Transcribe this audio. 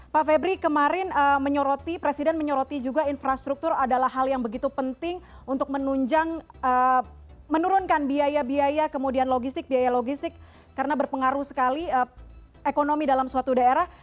pak febri kemarin menyoroti presiden menyoroti juga infrastruktur adalah hal yang begitu penting untuk menunjang menurunkan biaya biaya kemudian logistik biaya logistik karena berpengaruh sekali ekonomi dalam suatu daerah